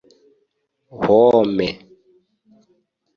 Home